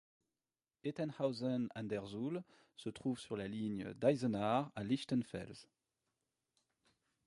Ettenhausen an der Suhl se trouve sur la ligne d'Eisenach à Lichtenfels.